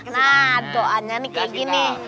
nah doanya nih kayak gini